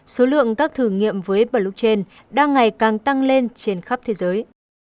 số lượng các thử nghiệm với blockchain đang ngày càng tăng lên trên khắp thế giới